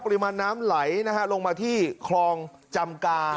ปริมาณน้ำไหลนะฮะลงมาที่คลองจำกา